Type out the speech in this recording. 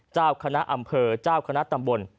เจ้าคณะอำเภอเจ้าคณะตำบล